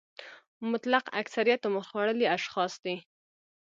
مطلق اکثریت عمر خوړلي اشخاص دي.